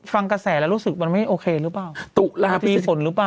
ฟังกระแสแล้วรู้สึกว่าไม่โอเครึเปล่ามีผลรึเปล่า